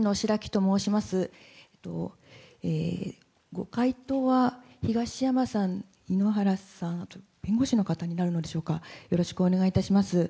ご回答は東山さん、井ノ原さん、弁護士の方になるのでしょうか、よろしくお願いいたします。